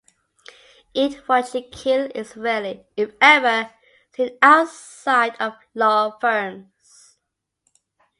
Eat-what-you-kill is rarely, if ever, seen outside of law firms.